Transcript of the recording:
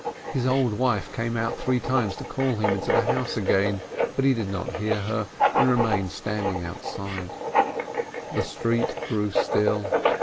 His old wife came out three times to call him into the house again, but he did not hear her, and remained standing outside. The street grew still.